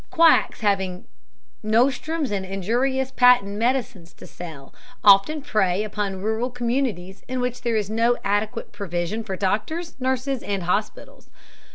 Quacks having nostrums and injurious patent medicines to sell often prey upon rural communities in which there is no adequate provision for doctors, nurses, and hospitals.